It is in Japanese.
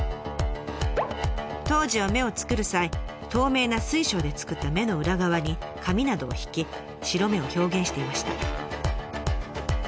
当時は目を作る際透明な水晶で作った目の裏側に紙などを敷き白目を表現していました。